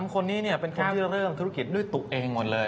คนนี้เป็นคนที่เริ่มธุรกิจด้วยตัวเองหมดเลย